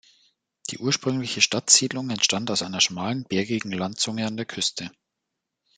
Die ursprüngliche Stadtsiedlung entstand auf einer schmalen, bergigen Landzunge an der Küste.